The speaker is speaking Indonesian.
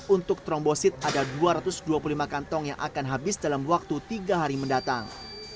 untuk trombosit ada dua ratus dua puluh lima kantong yang akan habis dalam waktu tiga hari mendatang